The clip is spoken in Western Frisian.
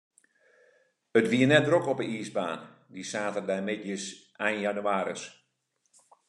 It wie net drok op de iisbaan, dy saterdeitemiddeis ein jannewaris.